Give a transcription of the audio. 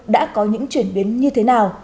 đã có những chuyển biến như thế nào